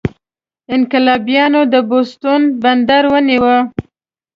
انقلابیانو د بوستون بندر ونیو.